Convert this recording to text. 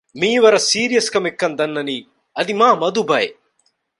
މިއީ ވަރަށް ސީރިއަސް ކަމެއް ކަން ދަންނަނީ އަދި މާ މަދު ބަޔެއް